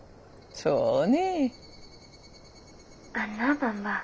そうね。